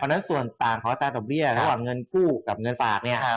เพราะนั้นส่วนต่างของดอกเบี้ยของเงินคู่กับเงินฝากเนี่ย